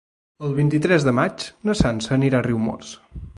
El vint-i-tres de maig na Sança anirà a Riumors.